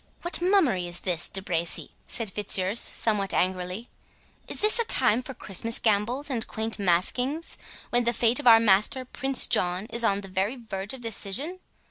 "What mummery is this, De Bracy?" said Fitzurse, somewhat angrily; "is this a time for Christmas gambols and quaint maskings, when the fate of our master, Prince John, is on the very verge of decision?